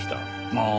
ああ。